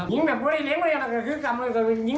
ยิงแบบเล็งเลยยิงแบบเป็นแสดง